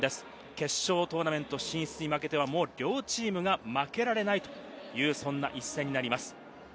決勝トーナメント進出をかけては両チームとも負けられない、そういう一戦になります。